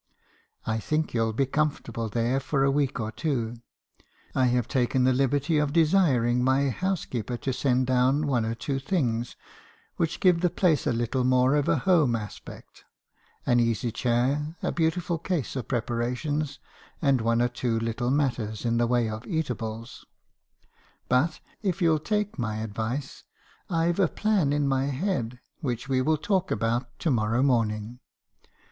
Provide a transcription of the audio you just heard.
I think you '11 be comfortable there for a week or two. I have taken the liberty of desiring my housekeeper to send down one or two things which give the place a little more of a home aspect, — an easy chair, a beautiful case of prepara tions , and one or two little matters in the way of eatables ; but if you '11 take my advice, I 've a plan in my head which we will talk about to morrow morning.